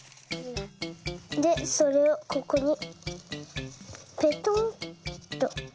でそれをここにペトッと。